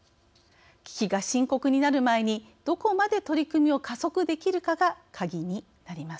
危機が深刻になる前にどこまで取り組みを加速できるかがカギになります。